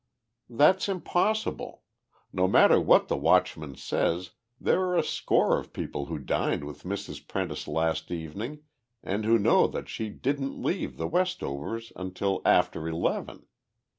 "That's impossible! No matter what the watchman says, there are a score of people who dined with Mrs. Prentice last evening and who know that she didn't leave the Westovers' until after eleven.